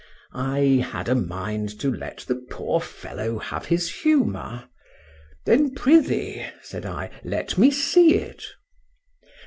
I had a mind to let the poor fellow have his humour.—Then prithee, said I, let me see it.